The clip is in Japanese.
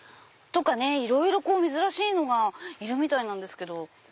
いろいろ珍しいのがいるみたいなんですけど。